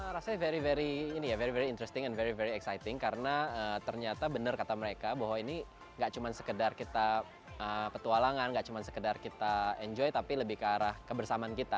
rasanya very interesting and very exciting karena ternyata benar kata mereka bahwa ini gak cuma sekedar kita petualangan gak cuma sekedar kita enjoy tapi lebih ke arah kebersamaan kita